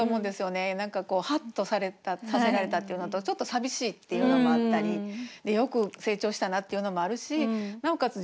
何かこうハッとさせられたっていうのとちょっと寂しいっていうのもあったりよく成長したなっていうのもあるしなおかつ